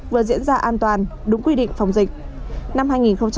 vừa diễn ra an toàn đúng quy định phòng dịch